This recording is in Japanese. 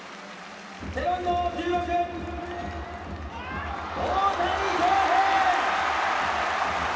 背番号１６、大谷翔平。